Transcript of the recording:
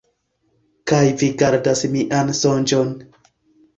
Kaj vi gardas mian sonĝon.